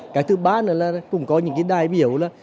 cái thứ ba là cũng có những đại biểu là